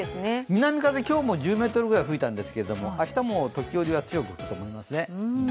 南風、今日も１０メートルくらい吹いたんですけど明日も時折、強く吹くと思いますね。